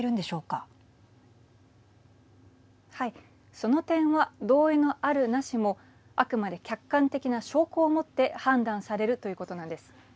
その点は同意のある・なしもあくまで客観的な証拠を持って判断されるということなんです。